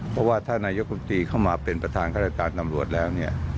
เพราะว่าถ้านายกรรมตรีเข้ามาเป็นประธานข้าราชการตำรวจแล้วเนี่ย